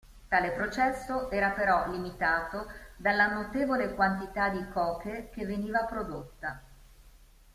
Tale processo era però limitato dalla notevole quantità di coke che veniva prodotta.